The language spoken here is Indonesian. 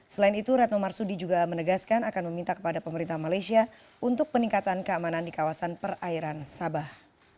selain itu retno marsudi juga menegaskan akan meminta kepada pemerintah malaysia untuk peningkatan keamanan di kawasan perairan sabah